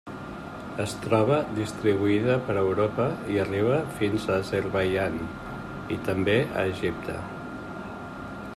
Es troba distribuïda per Europa i arriba fins a Azerbaidjan i també a Egipte.